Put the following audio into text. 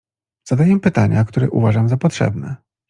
"Zadaję pytania, które uważam za potrzebne."